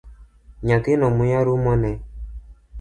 Nyathino muya rumone